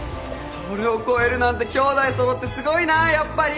それを超えるなんて兄弟揃ってすごいなやっぱり。